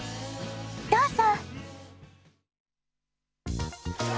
どうぞ！